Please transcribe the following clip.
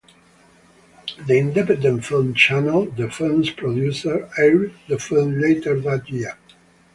The Independent Film Channel, the film's producer, aired the film later that year.